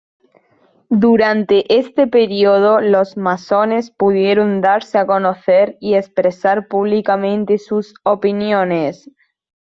Durante este período los masones pudieron darse a conocer y expresar públicamente sus opiniones.